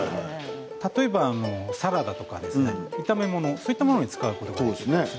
例えばサラダとか炒め物そういうものに使うことができます。